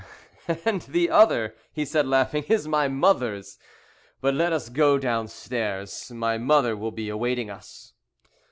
"And the other," he said, laughing, "is my mother's. But let us go downstairs; my mother will be awaiting us."